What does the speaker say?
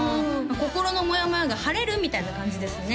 心のモヤモヤが晴れるみたいな感じですね